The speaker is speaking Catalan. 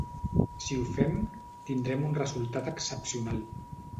Si ho fem, tindrem un resultat excepcional.